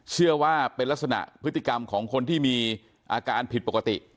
เชื่อว่าเป็นลักษณะพฤติกรรมของคนที่มีอาการผิดปกติ